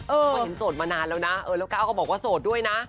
เพราะเห็นโสดมานานแล้วนะเออแล้วก้าวก็บอกว่าโสดด้วยนะ